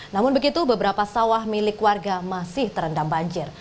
namun begitu beberapa sawah milik warga masih terendam banjir